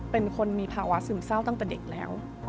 เป็นคนมีภาวะซึมเศร้าตั้งแต่เด็กแล้ว